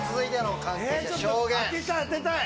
当てたい当てたい。